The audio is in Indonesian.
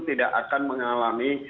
tidak akan mengalami